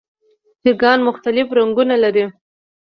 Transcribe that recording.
چرګان مختلف رنګونه لري.